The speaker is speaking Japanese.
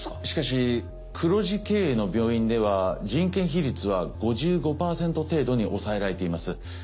しかし黒字経営の病院では人件費率は５５％程度に抑えられています。